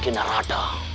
aku sudah menurutmu